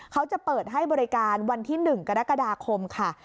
เขาจะเปิดให้บริการวันที่๑กรกฎาคมค่ะ